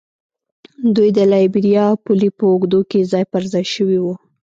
دوی د لایبیریا پولې په اوږدو کې ځای پر ځای شوي وو.